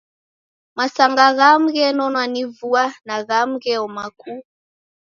Masanga ghamu ghenonwa ni vua na ghamu gheoma kuu!